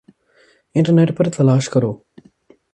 internet پر تلاش کر لو